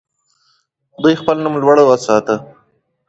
دوی خپل نوم لوړ ساته.